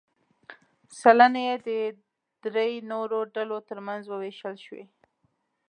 سلنه یې د درې نورو ډلو ترمنځ ووېشل شوې.